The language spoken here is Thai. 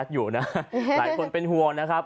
เพื่อเล่นตลกหาเงินครับ